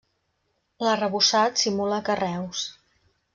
L'arrebossat simula carreus.